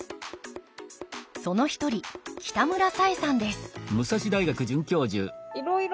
その一人北村紗衣さんです